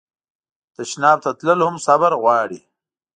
تشناب ته تلل هم صبر غواړي.